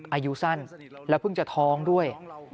อายุสั้นแล้วเพิ่งจะท้องด้วย